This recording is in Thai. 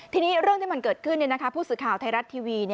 ทีนี้เรื่องที่มันเกิดขึ้นผู้สื่อข่าวไทยรัฐทีวี